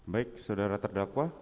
baik saudara terdakwa